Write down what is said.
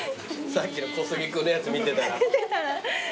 さっきの小杉君のやつ見てたら。